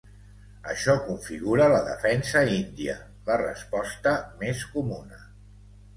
Això configura la defensa índia, la resposta més comuna.